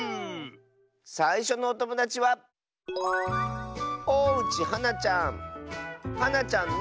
さいしょのおともだちははなちゃんの。